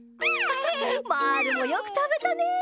まぁるもよくたべたね。